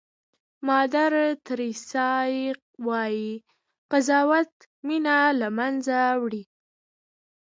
مادر تریسیا وایي قضاوت مینه له منځه وړي.